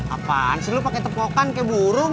apaan sih lo pakai tepokan kayak burung